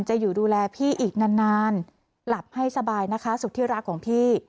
จะอยู่ดูแลพี่อีกนานนานหลับให้สบายนะคะสุดที่รักของพี่